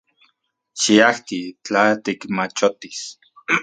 Xiajti — tla tikmachotis.